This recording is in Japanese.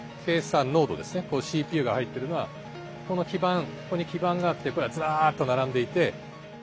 こういうＣＰＵが入っているのはこの基板ここに基板があってこれがずらっと並んでいて。